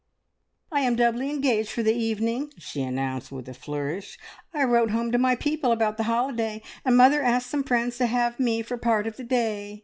"I am doubly engaged for the evening!" she announced with a flourish. "I wrote home to my people about the holiday, and mother asked some friends to have me for part of the day.